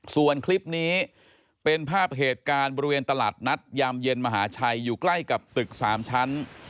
ส่วนคลิปนี้เป็นภาพเหตุการณ์บริเวณตลาดนัดยามเย็นมหาชัยอยู่ใกล้กับตึก๓ชั้น